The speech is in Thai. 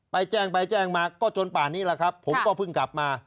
ไปแจ้งไปแจ้งมาก็จนป่านนี้แหละครับผมก็เพิ่งกลับมา